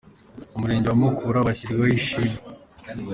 Mu Murenge wa Mukura bashyikirizwa ishimwe.